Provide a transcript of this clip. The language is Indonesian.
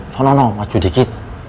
sama sama maju dikit